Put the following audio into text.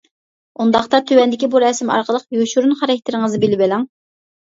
ئۇنداقتا تۆۋەندىكى بۇ رەسىم ئارقىلىق يوشۇرۇن خاراكتېرىڭىزنى بىلىۋېلىڭ.